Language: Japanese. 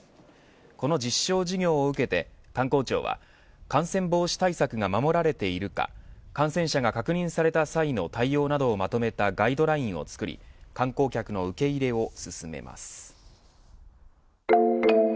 この実証事業を受けて観光庁は感染防止対策が守られているか感染者が確認された際の対応などをまとめたガイドラインを作り観光客の受け入れを進めます。